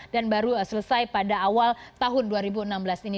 dan baru selesai pada awal tahun dua ribu enam belas ini